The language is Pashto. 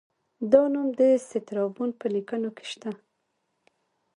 دا نوم د سترابون په لیکنو کې شته